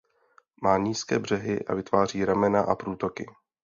Má nízké břehy a vytváří ramena a průtoky.